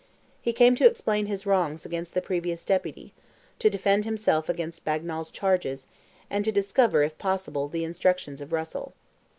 He came to explain his wrongs against the previous Deputy, to defend himself against Bagnal's charges, and to discover, if possible, the instructions of Russell.